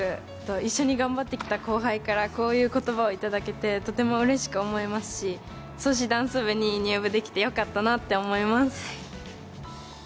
一緒に頑張ってきた後輩からこういう言葉をいただけてとてもうれしく思いますし、創志ダンス部に入部できてよかったと思います。